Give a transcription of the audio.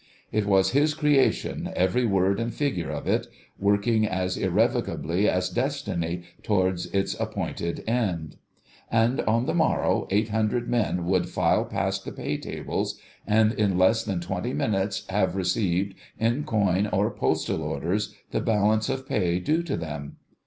It was his creation, every word and figure of it, working as irrevocably as Destiny towards its appointed end: and on the morrow eight hundred men would file past the pay tables, and in less than twenty minutes have received, in coin or postal orders, the balance of pay due to them.